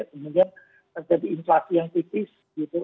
kemudian terjadi inflasi yang tipis gitu